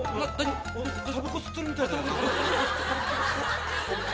たばこ吸ってるみたいだよ何か。